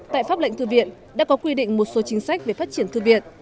tại pháp lệnh thư viện đã có quy định một số chính sách về phát triển thư viện